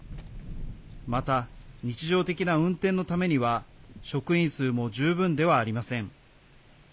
また、日常的な運転のためには職員数も十分ではありません。